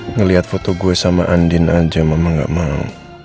ngeliat foto gue sama andien aja mama gak mau